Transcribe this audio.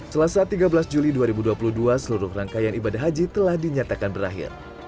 selasa tiga belas juli dua ribu dua puluh dua seluruh rangkaian ibadah haji telah dinyatakan berakhir